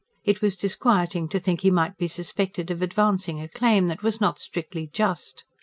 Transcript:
It was disquieting to think he might be suspected of advancing a claim that was not strictly just.